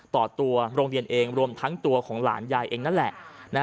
ต่อตัวโรงเรียนเองรวมทั้งตัวของหลานยายเองนั่นแหละ